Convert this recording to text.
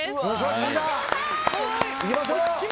いきましょう！